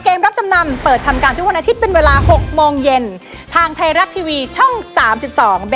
รับจำนำเปิดทำการทุกวันอาทิตย์เป็นเวลาหกโมงเย็นทางไทยรัฐทีวีช่องสามสิบสอง